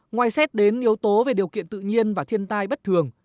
ngoài xét đến yếu tố về điều kiện tự nhiên và thiên tai bất thường